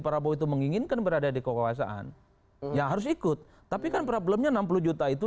prabowo itu menginginkan berada di kekuasaan yang harus ikut tapi kan problemnya enam puluh juta itu